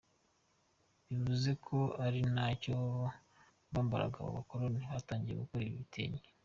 bivuze ko ari nabyo bambaraga, Aba bakoloni batangiye gukora ibi bitenge mu